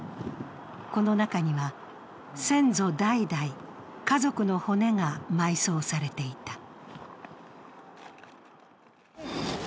この中には先祖代々家族の骨が埋葬されていた。